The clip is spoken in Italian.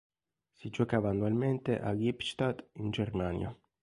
Si giocava annualmente a Lippstadt in Germania.